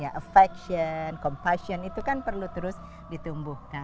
ya affection compassion itu kan perlu terus ditumbuhkan